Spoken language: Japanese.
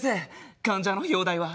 患者の容体は？